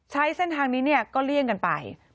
ใช้เส้นทางนี้ก็เลี่ยงกันไป